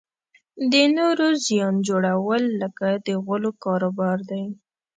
د نورو زیان جوړول لکه د غولو کاروبار دی.